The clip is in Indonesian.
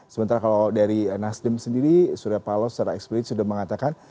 sementara kalau dari nasdim sendiri suria palos secara eksplodit sudah mengatakan